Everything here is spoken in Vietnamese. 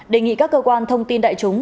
đề nghị các cơ quan thông tin đại chúng